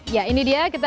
ya ini dia